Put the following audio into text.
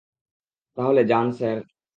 তাহলে যান, স্যার।